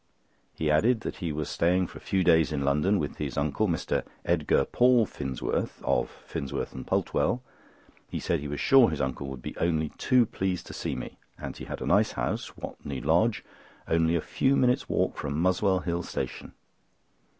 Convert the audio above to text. He added that he was staying for a few days in London, with his uncle, Mr. Edgar Paul Finsworth (of Finsworth and Pultwell). He said he was sure his uncle would be only too pleased to see me, and he had a nice house, Watney Lodge, only a few minutes' walk from Muswell Hill Station.